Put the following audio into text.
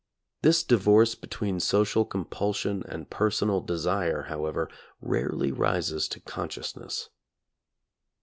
This divorce between social compulsion and personal desire, however, rarely rises to consciousness.